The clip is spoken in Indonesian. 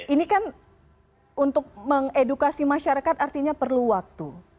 ini kan untuk mengedukasi masyarakat artinya perlu waktu